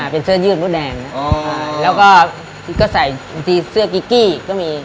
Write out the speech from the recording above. แล้วก็จะยืดมดแดงแล้วก็ใส่เสื้อกิ๊กกี้ก็มี